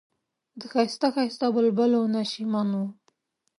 د ښایسته ښایسته بلبلو نشیمن و.